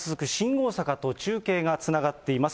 大阪と中継がつながっています。